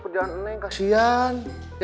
kerjaan neng kasihan